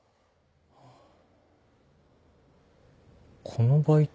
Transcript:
このバイト。